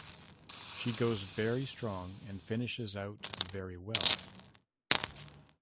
She goes very strong and finishes out very well.